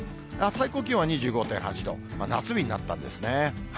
最高気温は２５．８度、夏日になったんですね。